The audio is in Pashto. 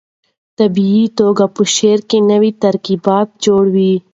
طبیعي توکي په شعر کې نوي ترکیبات جوړوي.